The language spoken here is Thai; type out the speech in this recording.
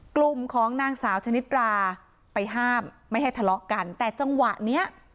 กลุ่มของนางสาวชนิดราไปห้ามไม่ให้ทะเลาะกันแต่จังหวะเนี้ย